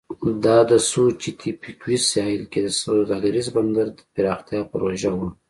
دا د سوچیتپیکویز ساحل کې د سوداګریز بندر پراختیا پروژه وه.